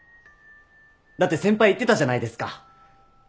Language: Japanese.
だって先輩言ってたじゃないですか。